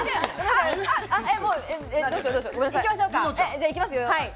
じゃあ行きますよ。